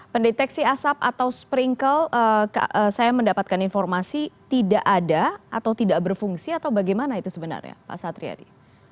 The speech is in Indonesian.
pendeteksi asap atau sprinkle saya mendapatkan informasi tidak ada atau tidak berfungsi atau bagaimana itu sebenarnya pak satriadi